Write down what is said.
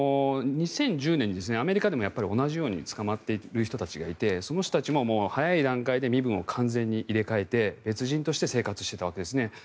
２０１０年にアメリカでも同じように捕まっている人たちがいてその人たちも早い段階で身分を完全に入れ替えて別人として生活していたわけですね。